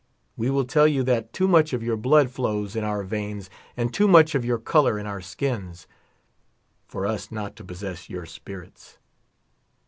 We will tell you that too much of your blood flows in our veins, and too much of your color in our skins, for us not to possess your spirits.